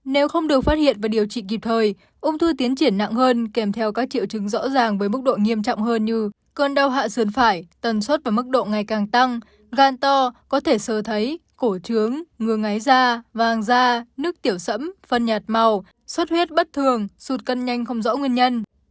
nếu không được phát hiện và điều trị kịp thời ung thư tiến triển nặng hơn kèm theo các triệu chứng rõ ràng với mức độ nghiêm trọng hơn như cơn đau hạ sườn phải tần suất và mức độ ngày càng tăng gan to có thể sơ thấy cổ trướng ngừa ngáy da vàng da nước tiểu sẫm phân nhạt màu suất huyết bất thường sụt cân nhanh không rõ nguyên nhân